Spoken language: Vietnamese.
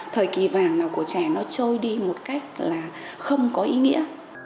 thời kỳ vàng nào của trẻ nó trôi đi một cách là không có ý nghĩa